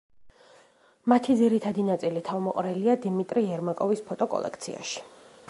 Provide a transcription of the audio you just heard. მათი ძირითადი ნაწილი თავმოყრილია დიმიტრი ერმაკოვის ფოტოკოლექციაში.